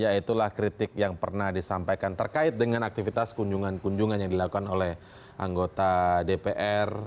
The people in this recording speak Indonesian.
ya itulah kritik yang pernah disampaikan terkait dengan aktivitas kunjungan kunjungan yang dilakukan oleh anggota dpr